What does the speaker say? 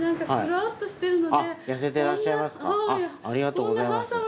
ありがとうございます。